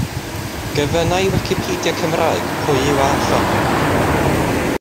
Gofynna i Wicipedia Cymraeg pwy yw Alffa?